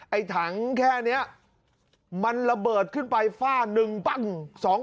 ไอ้ถังแค่เนี่ยมันระเบิดขึ้นไปฝ้า๑ปั้ง